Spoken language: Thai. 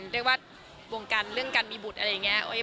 เรียกว่าวงการเรื่องการมีบุตรอะไรอย่างนี้